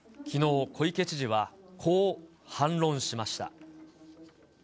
きのう、小池知事は、こう反論しました。